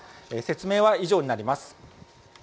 説明は以上になります。